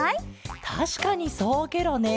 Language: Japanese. たしかにそうケロね。